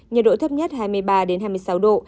nhiệt độ thấp nhất hai mươi ba hai mươi sáu độ